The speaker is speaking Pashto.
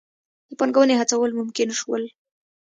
د پانګونې هڅول ممکن شول.